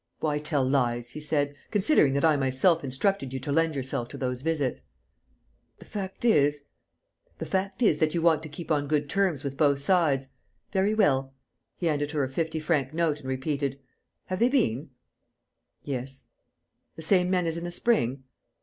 "Why tell lies," he said, "considering that I myself instructed you to lend yourself to those visits?" "The fact is...." "The fact is that you want to keep on good terms with both sides.... Very well!" He handed her a fifty franc note and repeated, "Have they been?" "Yes." "The same men as in the spring?"